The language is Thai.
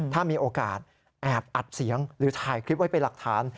ถ้ามีโอกาสแอบอัดเสียงหรือถ่ายคลิปไว้เป็นหลักฐาน